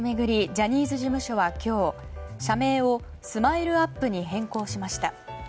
ジャニーズ事務所は今日社名をＳＭＩＬＥ‐ＵＰ．に変更しました。